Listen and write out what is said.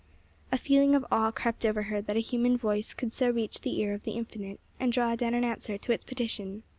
A feeling of awe crept over her, that a human voice could so reach the ear of the Infinite, and draw down an answer to its petition.